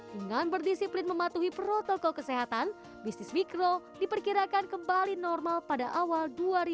dengan berdisiplin mematuhi protokol kesehatan bisnis mikro diperkirakan kembali normal pada awal dua ribu dua puluh